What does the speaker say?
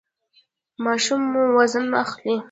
ماشوم مو وزن اخلي؟